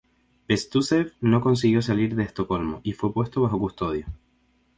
Bestúzhev no consiguió salir de Estocolmo y fue puesto bajo custodia.